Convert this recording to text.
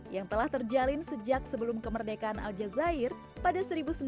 yang telah terjalin sejak sebelum kemerdekaan aljazeera pada seribu sembilan ratus enam puluh dua